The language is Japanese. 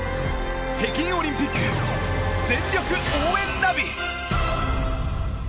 「北京オリンピック全力応援ナビ」。